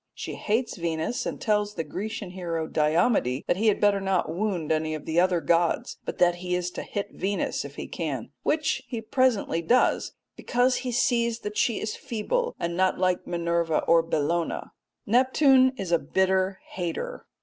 She hates Venus, and tells the Grecian hero Diomede that he had better not wound any of the other gods, but that he is to hit Venus if he can, which he presently does 'because he sees that she is feeble and not like Minerva or Bellona.' Neptune is a bitter hater.